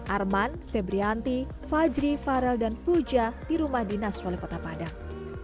arman febrianti fajri farel dan puja di rumah dinas wali kota padang